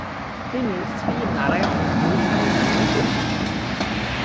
তিনি "শ্রী নারায়ণ গুরু স্বামী" নামেও পরিচিত।